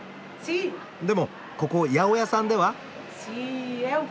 でもここ八百屋さんでは？